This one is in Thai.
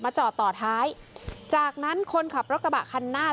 จอดต่อท้ายจากนั้นคนขับรถกระบะคันหน้า